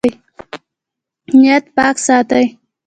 نیت پاک ساتئ